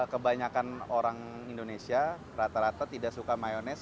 kebanyakan orang indonesia rata rata tidak suka mayonese